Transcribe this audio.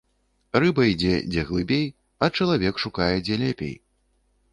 Рыба ідзе, дзе глыбей, а чалавек шукае, дзе лепей.